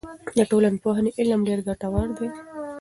د ټولنپوهنې علم ډېر ګټور دی.